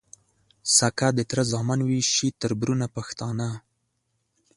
سکه د تره زامن وي شي تــربـــرونـه پښتانه